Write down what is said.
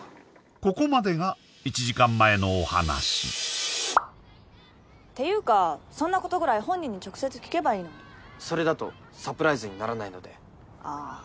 ここまでが１時間前のお話っていうかそんなことぐらい本人に直接聞けばいいのにそれだとサプライズにならないのでああー